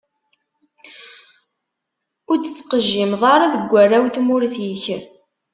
Ur d-tettqejjimeḍ ara deg warraw n tmurt-ik.